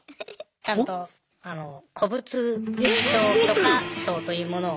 ちゃんと古物商許可証というものを。